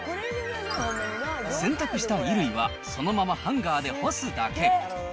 洗濯した衣類はそのままハンガーで干すだけ。